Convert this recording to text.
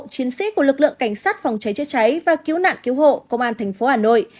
chiến sĩ của lực lượng cảnh sát phòng cháy chữa cháy và cứu nạn cứu hộ công an thành phố hà nội